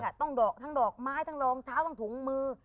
ต้องดอกทั้งดอกไม้ทั้งรองเท้าทั้งถุงมือ